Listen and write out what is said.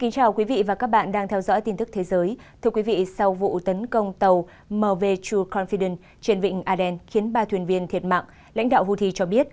các bạn hãy đăng ký kênh để ủng hộ kênh của chúng mình nhé